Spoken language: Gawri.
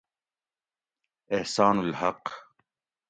احسان الحق